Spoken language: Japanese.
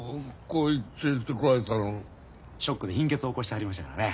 ショックで貧血起こしてはりましたからね。